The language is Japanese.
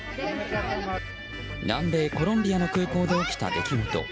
南米コロンビアの空港で起きた出来事。